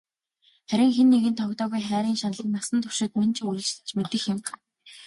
Харин хэн нэгэнд тоогдоогүй хайрын шаналан насан туршид минь ч үргэлжилж мэдэх юм.